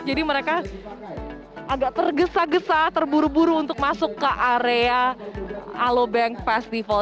jadi mereka agak tergesa gesa terburu buru untuk masuk ke area aloe bank festival